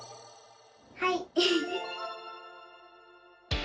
はい！